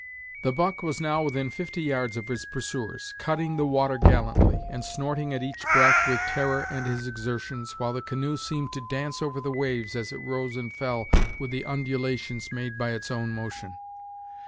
The buck was now within fifty yards of his pursuers, cutting the water gallantly, and snorting at each breath with terror and his exertions, while the canoe seemed to dance over the waves as it rose and fell with the undulations made by its own motion.